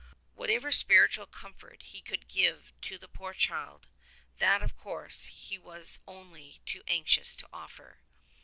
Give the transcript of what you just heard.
Whatever spiritual comfort he could give to the poor child, that of course he was only too anxious to offer.